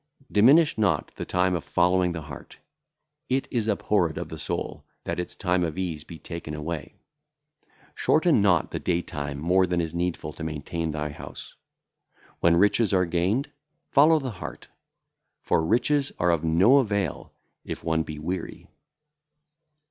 Diminish not the time of following the heart; it is abhorred of the soul, that its time [of ease] be taken away. Shorten not the daytime more than is needful to maintain thine house. When riches are gained, follow the heart; for riches are of no avail if one be weary.